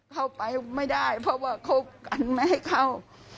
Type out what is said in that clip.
เข้าไปไม่ได้เพราะว่าคบกันไม่ให้เข้า